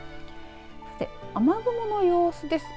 雨雲の様子です。